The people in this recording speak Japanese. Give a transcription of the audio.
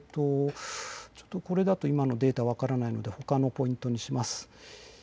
これだと今のデータが分からないのでほかのポイントにします。